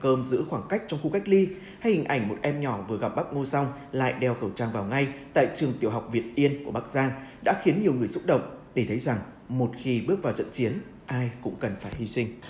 các em đã được dựa khoảng cách trong khu cách ly hay hình ảnh một em nhỏ vừa gặp bác ngô xong lại đeo khẩu trang vào ngay tại trường tiểu học việt yên của bác giang đã khiến nhiều người xúc động để thấy rằng một khi bước vào trận chiến ai cũng cần phải hy sinh